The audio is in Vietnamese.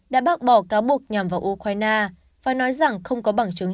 đã bác bỏ cáo buộc nhằm vào ukraine và nói rằng không có bằng chứng